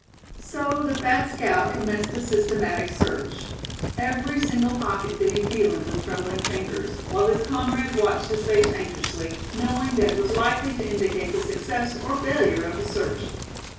'" So the fat scout commenced a systematic search, Every single pocket did he feel in with trembling fingers, while his comrade watched his face anxiously, knowing that it was likely to indicate the success or failure of the search.